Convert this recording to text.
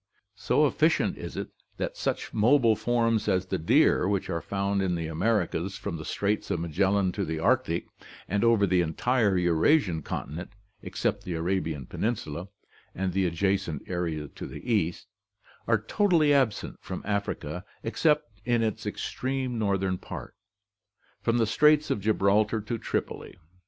So efficient is it that such mobile forms as the deer, which are found in the Americas from the Straits of Magellan to the Arctic and over the entire Eurasian continent except the Arabian peninsula and the adjacent area to the east, are totally absent from Africa except in its ex treme northern part, from the Straits of Gibraltar to Tripoli.